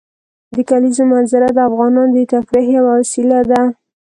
د کلیزو منظره د افغانانو د تفریح یوه وسیله ده.